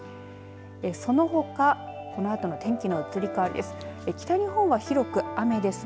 そのほかこのあとの天気の移り変わりです。